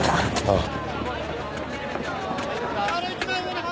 ああ。